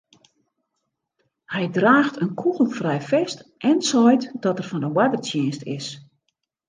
Hy draacht in kûgelfrij fest en seit dat er fan de oardertsjinst is.